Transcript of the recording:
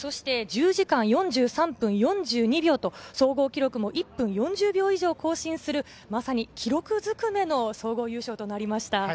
１０時間４３分４２秒と総合記録も１分４０秒以上更新するまさに記録ずくめの総合優勝となりました。